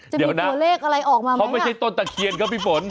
จะมีตัวเลขอะไรออกมาไหมนะเดี๋ยวนะเขาไม่ใช่ต้นตะเคียนเหรอพี่ฝน